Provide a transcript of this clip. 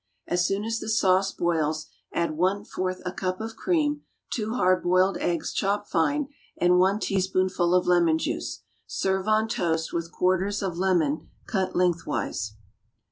As soon as the sauce boils, add one fourth a cup of cream, two hard boiled eggs chopped fine, and one teaspoonful of lemon juice. Serve on toast, with quarters of lemon cut lengthwise.